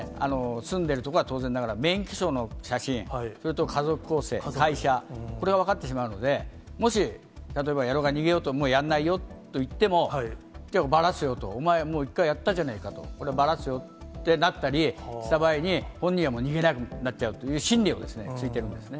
住んでいる所は当然ながら、免許証の写真、それと家族構成、会社、これを分かってしまうので、もし例えば逃げようと、もうやんないよと言っても、じゃあ、ばらすよと、お前、もう一回やったじゃねえかと、こればらすよとなったり、した場合に、本人は逃げられなくなっちゃうという心理をついているんですね。